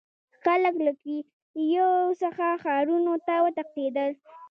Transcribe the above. خلک له کلیو څخه ښارونو ته وتښتیدل.